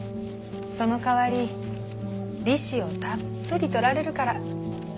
その代わり利子をたっぷり取られるから。